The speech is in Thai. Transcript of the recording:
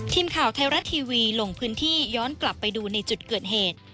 ทีมข่าวไทยรัฐทีวีลงพื้นที่ย้อนกลับไปดูในจุดเกิดเหตุ